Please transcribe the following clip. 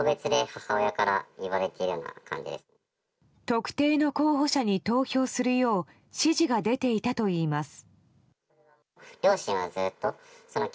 特定の候補者に投票するよう指示が出ていたといいます。